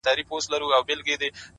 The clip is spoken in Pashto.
ماته ياديده اشنا.!